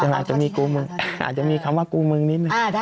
ว่าอาจจะมีคำว่ากู้มึงนิดนึง